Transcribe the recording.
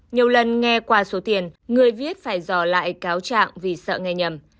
nhiều lần nghe qua số tiền người viết phải dò lại cáo trạng vì sợ nghe nhầm